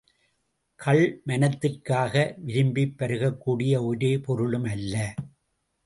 கள் மணத்திற்காக விரும்பிப் பருகக் கூடிய ஒரு பொருளும் அல்ல.